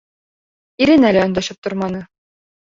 Иренә лә өндәшеп торманы.